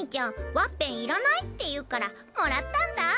ワッペンいらないっていうからもらったんだ。